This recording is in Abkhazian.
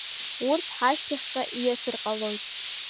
Урҭ ҳашьҭахьҟа ииасыр ҟалоит.